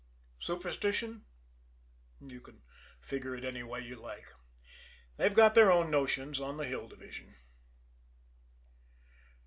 Superstition? You can figure it any way you like they've got their own notions on the Hill Division.